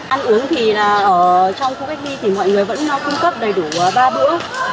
ăn uống thì ở trong khu cách ly thì mọi người vẫn cung cấp đầy đủ ba bữa